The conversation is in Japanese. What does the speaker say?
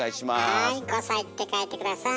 はい「５さい」って書いて下さい。